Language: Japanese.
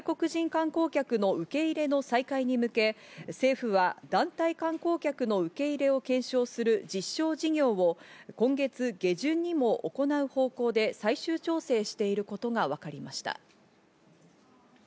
中止していた外国人観光客の受け入れの再開に向け、政府は団体観光客の受け入れを検証する実証事業を今月下旬にも行う方向で最終調整していることがわかりました。